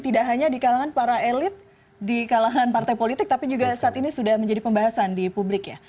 tidak hanya di kalangan para elit di kalangan partai politik tapi juga saat ini sudah menjadi pembahasan di publik ya